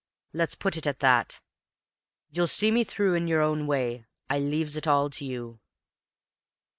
Let's put it at that. You'll see me through in yer own way. I leaves it all to you."